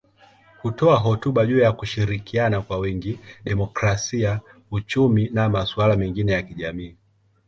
Hutoa hotuba juu ya kushirikiana kwa wingi, demokrasia, uchumi na masuala mengine ya kijamii.